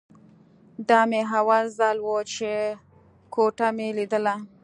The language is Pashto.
دا مې اول ځل و چې کوټه مې ليدله.